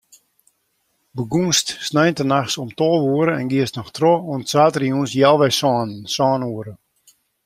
Begûnst sneintenachts om tolve oere en giest troch oant saterdeitejûns healwei sânen, sân oere.